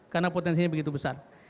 karena potensinya begitu besar